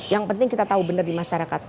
yang penting kita tahu benar di masyarakat